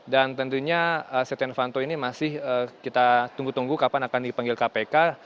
dan tentunya setia nefanto ini masih kita tunggu tunggu kapan akan dipanggil kpk